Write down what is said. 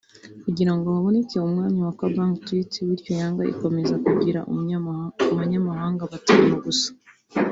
kugira ngo haboneke umwanya wa Kabange Twite bityo Yanga ikomeza kugira abanyamhanga batanu gusa